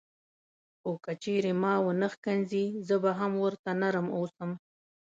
خو که چیرې ما ونه ښکنځي زه به هم ورته نرم اوسم.